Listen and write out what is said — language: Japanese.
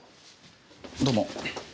どうも。